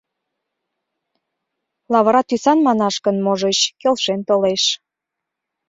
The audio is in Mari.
Лавыра тӱсан манаш гын, можыч, келшен толеш.